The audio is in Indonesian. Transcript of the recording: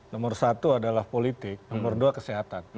nomor satu adalah politik nomor dua kesehatan